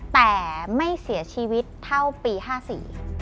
แต่ไม่เสียชีวิตเท่าปี๑๙๕๔